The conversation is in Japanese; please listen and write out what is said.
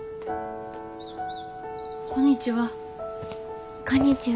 こんにちは。